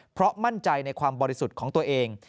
เพราะมั่นใจในความบริสุทธิ์ของตัวเอง